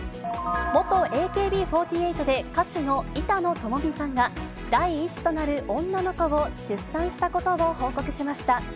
元ＡＫＢ４８で歌手の板野友美さんが、第１子となる女の子を出産したことを報告しました。